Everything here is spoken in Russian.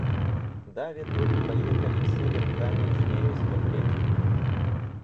Даве тут проехали все верхами жнею смотреть.